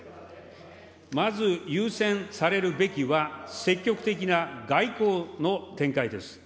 まず優先されるべきは、積極的な外交の展開です。